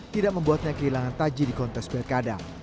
tidak membuatnya kehilangan taji di kontes pilkada